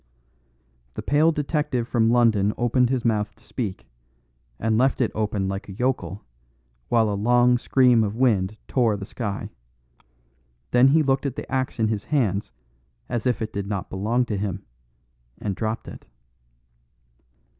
The pale detective from London opened his mouth to speak, and left it open like a yokel, while a long scream of wind tore the sky; then he looked at the axe in his hands as if it did not belong to him, and dropped it.